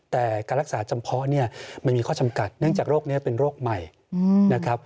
แต่การรักษาจำเพาะเนี่ยมันมีข้อจำกัดเนื่องจากโรคนี้เป็นโรคใหม่นะครับ